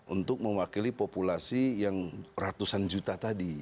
untuk mewakili populasi yang ratusan juta tadi